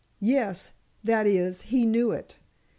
"Yes; that is, he knew it.